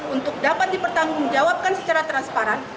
untuk dapat dipertanggungjawabkan secara transparan